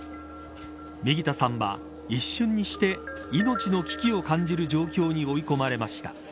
右田さんは一瞬にして命の危機を感じる状況に追い込まれました。